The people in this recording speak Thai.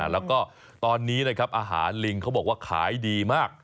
แล้วก็ตอนนี้นะครับอาหารลิงเขาบอกว่าขายดีมาก